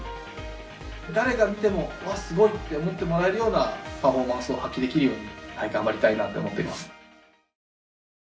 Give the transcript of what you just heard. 誰が見ても、すごいって思ってもらえるようなパフォーマンスを発揮できるように頑張りたいなと思っています。